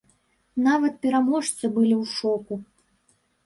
Нават пераможцы былі ў шоку.